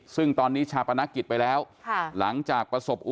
ซึ่งตอนนี้ชาปนกิจไปแล้วหลังจากประสบอุ